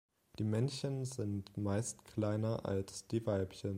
Die Männchen sind meist kleiner als die Weibchen.